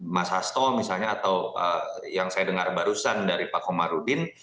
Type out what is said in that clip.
mas hasto misalnya atau yang saya dengar barusan dari pak komarudin